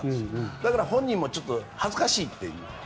だから本人もちょっと恥ずかしい。